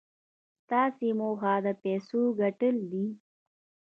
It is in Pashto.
ستاسې موخه د پيسو ګټل دي.